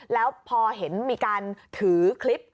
แล้วพอเห็นมีการถือคลิป